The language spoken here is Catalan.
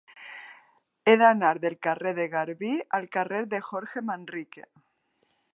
He d'anar del carrer de Garbí al carrer de Jorge Manrique.